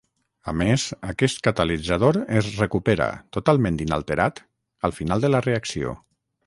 A més, aquest catalitzador es recupera, totalment inalterat, al final de la reacció.